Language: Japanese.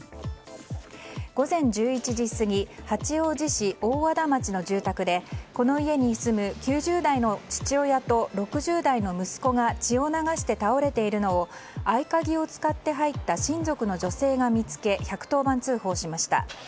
午前１１時過ぎ八王子市大和田町の住宅でこの家に住む９０代の父親と６０代の息子が血を流して倒れているのを合鍵を使って入った親族の女性が見つけ１１０番通報しました。